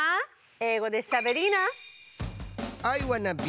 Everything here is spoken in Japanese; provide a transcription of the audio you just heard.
英語でしゃべりーな！